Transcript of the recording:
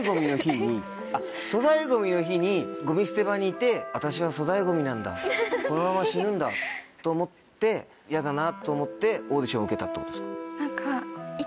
あっ粗大ゴミの日にゴミ捨て場にいて「私は粗大ゴミなんだこのまま死ぬんだ」と思って嫌だなと思ってオーディション受けたってことですか？